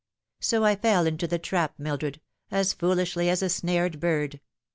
So I fell into the trap, Mil dred, as foolishly as a snared bird.